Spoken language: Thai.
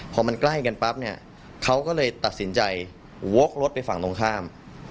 พอมันใกล้กันปั๊บเนี่ยเขาก็เลยตัดสินใจวกรถไปฝั่งตรงข้าม